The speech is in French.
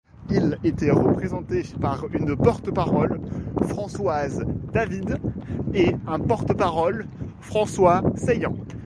Il était représenté par une porte-parole, Françoise David, et un porte-parole, François Saillant.